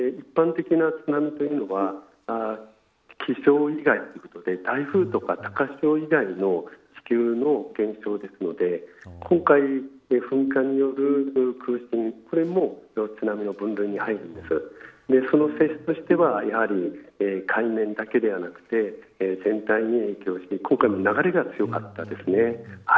一般的な津波というのは気象以外のことで台風とか高潮以外の地球の現象ですので今回の噴火による空振も津波の分類に入るんですがその性質としてはやはり、海面だけではなくて全体に影響して今回の流れが強かったですね。